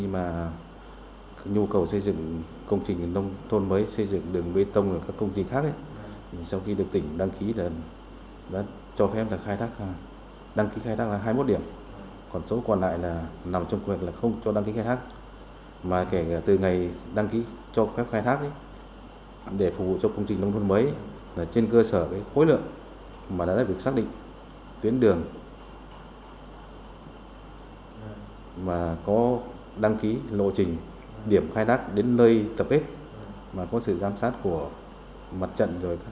mà có sự giám sát của mặt trận rồi các xã hội văn với các xã